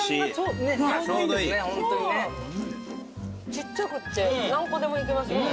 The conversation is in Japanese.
ちっちゃくって何個でもいけますね。